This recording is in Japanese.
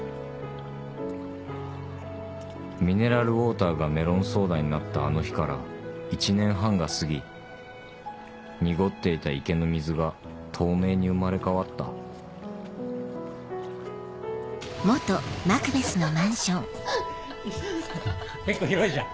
ミネラルウオーターがメロンソーダになったあの日から１年半が過ぎ濁っていた池の水が透明に生まれ変わった結構広いじゃん。